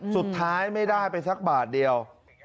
สุดท้ายไม่ได้ไปสักบาทเดียว